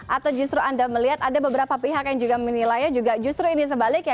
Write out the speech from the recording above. atau justru anda melihat ada beberapa pihak yang juga menilainya juga justru ini sebaliknya